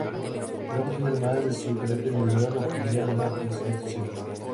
El trabajo tiene, además de su carácter individual o familiar, una función social.